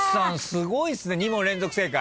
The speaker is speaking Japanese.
すごいっすね２問連続正解。